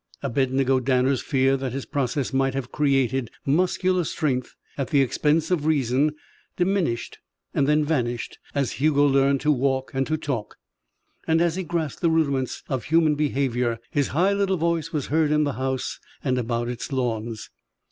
Abednego Danner's fear that his process might have created muscular strength at the expense of reason diminished and vanished as Hugo learned to walk and to talk, and as he grasped the rudiments of human behaviour. His high little voice was heard in the house and about its lawns.